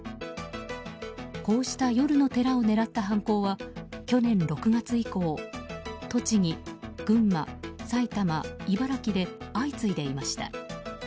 こうした夜の寺を狙った犯行は去年６月以降栃木、群馬、埼玉、茨城で相次いでいました。